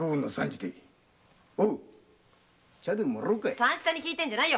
三下に聞いてんじゃないよ。